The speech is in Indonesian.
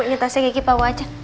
ini tasnya giki pak wajah